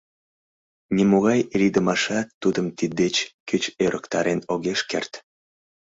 Нимогай лийдымашат тудым тиддеч коч ӧрыктарен огеш керт.